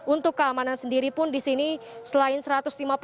untuk keamanan sendiri pun disini selain satu ratus lima puluh persen